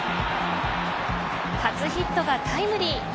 初ヒットがタイムリー。